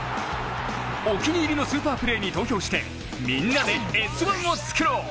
お気に入りのスーパープレーに投票してみんなで「Ｓ☆１」をつくろう！